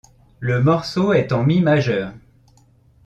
Le morceau est en mi majeur.